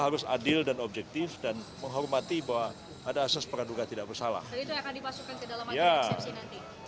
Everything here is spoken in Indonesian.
jadi itu akan dipasukkan ke dalam eksepsi nanti